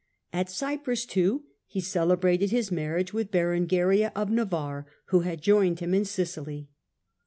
At Cyprus, too, he celebrated his marriage with Berengaria of Navarre, who had joined him in Sicily.